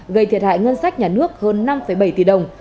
gây thiệt hại ngân sách nhà nước hơn năm bảy tỷ đồng